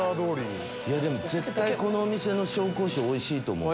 絶対このお店の紹興酒おいしいと思う。